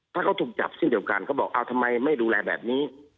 ถ้าเขาถูกจับเช่นเดียวกันเขาบอกเอาทำไมไม่ดูแลแบบนี้